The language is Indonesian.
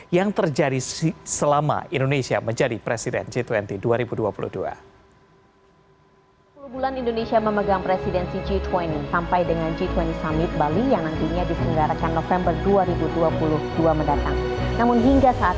yang terjadi selama indonesia menjadi presiden g dua puluh dua ribu dua puluh dua mendatang